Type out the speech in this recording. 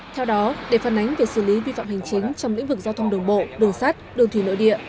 theo đó để phân ánh về xử lý vi phạm hành chính trong lĩnh vực giao thông đường bộ đường sát đường thủy nội địa